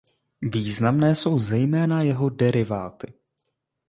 Významné jsou zejména jeho deriváty.